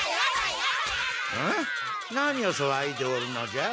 何をさわいでおるのじゃ？